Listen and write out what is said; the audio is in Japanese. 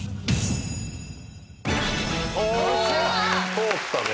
通ったね。